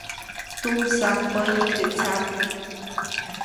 Tumsaj päyi te tsat.